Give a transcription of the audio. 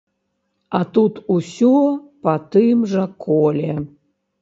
А тут усё па тым жа коле.